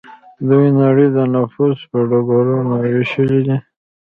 دوی نړۍ د نفوذ په ډګرونو ویشلې ده